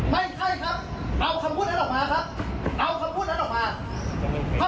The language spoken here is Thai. ไม่ใช่ครับเอาคำพูดนั้นออกมาครับเอาคำพูดนั้นออกมา